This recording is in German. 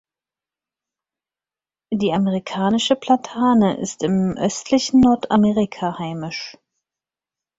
Die Amerikanische Platane ist im östlichen Nordamerika heimisch.